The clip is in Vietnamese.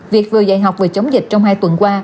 việc vừa dạy học vừa chống dịch trong hai tuần qua